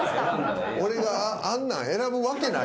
俺があんなん選ぶわけない。